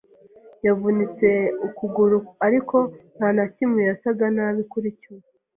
Yavunitse ukuguru, ariko nta na kimwe yasaga nabi kuri cyo.